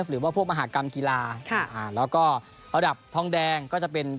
หรือว่าพวกมหากรรมกีฬาแล้วก็ระดับทองแดงก็จะเป็น